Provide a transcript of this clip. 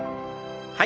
はい。